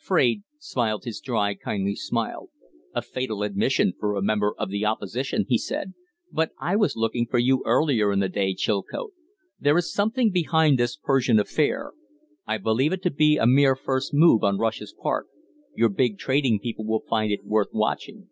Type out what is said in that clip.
Fraide smiled his dry, kindly smile. "A fatal admission for a member of the Opposition," he said. "But I was looking for you earlier in the day, Chilcote. There is something behind this Persian affair. I believe it to be a mere first move on Russia's part. You big trading people will find it worth watching."